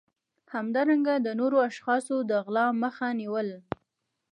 همدارنګه د نورو اشخاصو د غلا مخه نیول